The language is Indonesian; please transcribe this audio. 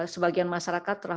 sebagian masyarakat telah